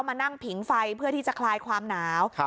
มานั่งผิงไฟเพื่อที่จะคลายความหนาว